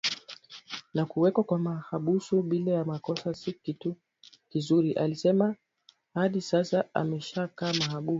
na kuwekwa mahabusu bila ya makosa Si kitu kizuriAlisema hadi sasa ameshakaa mahabusu